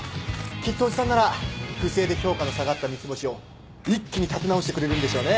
きっと叔父さんなら不正で評価の下がった三ツ星を一気に立て直してくれるんでしょうねぇ。